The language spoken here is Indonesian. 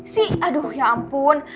si aduh ya ampun